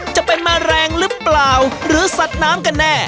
จะเป็นแมลงหรือเปล่าหรือสัตว์น้ำกันแน่